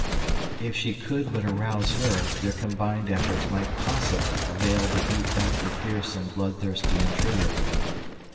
If she could but arouse her, their combined efforts might possibly avail to beat back the fierce and bloodthirsty intruder.